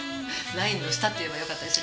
ラインの下って言えばよかったです。